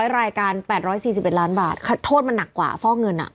รายการ๘๔๑ล้านบาทโทษมันหนักกว่าฟอกเงิน